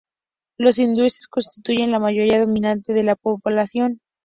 Los hindúes constituyen la mayoría dominante de la población.